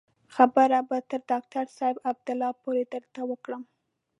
خبره به تر ډاکتر صاحب عبدالله پورې درته وکړم.